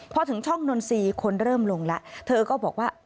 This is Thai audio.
พอถึงช่องนนทรีย์คนเริ่มลงแล้วเธอก็บอกว่า